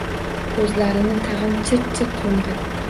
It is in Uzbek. Ko‘zlarini tag‘in chirt-chirt yumdi...